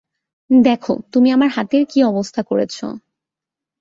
দেখো, তুমি আমার হাতের কী অবস্থা করেছো!